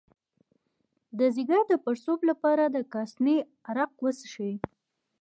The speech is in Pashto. د ځیګر د پړسوب لپاره د کاسني عرق وڅښئ